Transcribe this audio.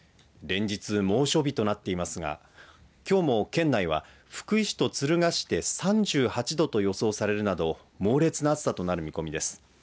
連日、猛暑日となっていますがきょうも県内は福井市と敦賀市で３８度と予想されるなど猛烈な暑さとなる見込みです。